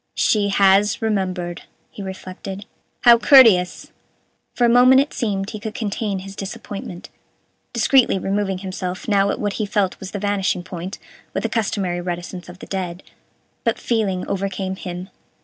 "She has remembered," he reflected; "how courteous!" For a moment it seemed he could contain his disappointment, discreetly removing himself now at what he felt was the vanishing point, with the customary reticence of the dead, but feeling overcame him.